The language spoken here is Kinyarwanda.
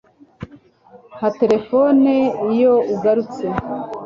mpa terefone iyo ugarutse